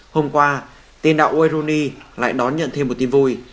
hôm qua tiên đạo wairuni lại đón nhận thêm một tin vui